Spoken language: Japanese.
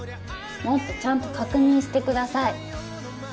もっとちゃんと確認してください。